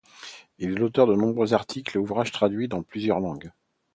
Il est l'auteur de nombreux articles et ouvrages traduit dans plusieurs langues.